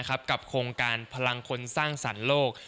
กับโครงการพลังคนสร้างสรรค์โลก